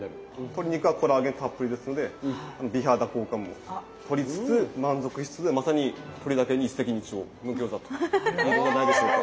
鶏肉はコラーゲンたっぷりですので美肌効果もとりつつ満足しつつでまさに鶏だけに一石二鳥の餃子といえるのではないでしょうか。